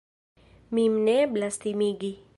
Min ne eblas timigi.